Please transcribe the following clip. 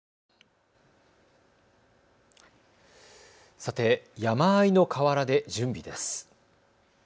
さて、山あいの河原で準備です。